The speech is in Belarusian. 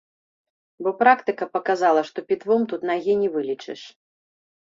Бо практыка паказала, што пітвом тут нагі не вылечыш.